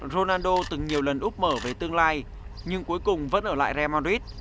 ronaldo từng nhiều lần úc mở về tương lai nhưng cuối cùng vẫn ở lại real madrid